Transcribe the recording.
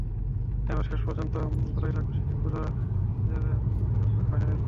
এবার আমরা শেষ পর্যন্ত কোথায় থাকব, সেটি বোঝা যাবে রোববারের ফাইনালের পর।